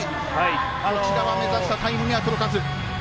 目指したタイムには届かず。